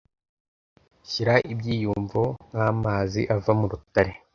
Shyira ibyiyumvo nkamazi ava murutare